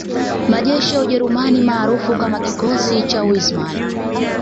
Majeshi ya Ujerumani maarufu kama Kikosi cha Wissmann